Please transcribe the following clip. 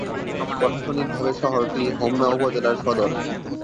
প্রশাসনিকভাবে শহরটি হোমনা উপজেলার সদর।